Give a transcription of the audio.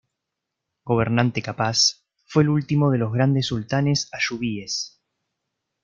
Gobernante capaz, fue el último de los grandes sultanes ayubíes.